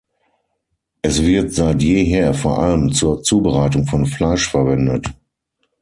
Es wird seit jeher vor allem zur Zubereitung von Fleisch verwendet.